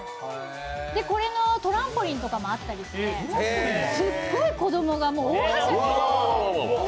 これがトランポリンとかもあったりして、すっごい子供が大はしゃぎ。